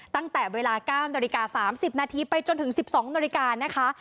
ตั้งแต่เวลา๙นาฬิกา๓๐นาทีไปจนถึง๑๒นาฬิกานะคะ